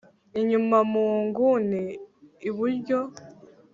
inyuma munguni iburyo